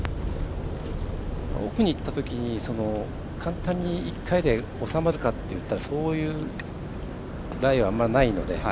奥に行ったときに簡単に１回で収まるかというとそういうライはあまりないので。